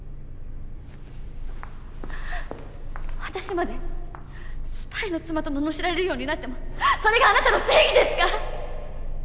私までスパイの妻と罵られるようになってもそれがあなたの正義ですか。